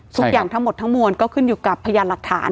ทุกอย่างทั้งหมดทั้งมวลก็ขึ้นอยู่กับพยานหลักฐาน